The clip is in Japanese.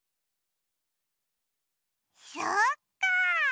そっかあ！